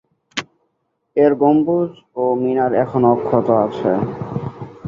এর গম্বুজ ও মিনার এখনো অক্ষত আছে।